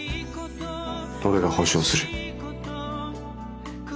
俺が保証する。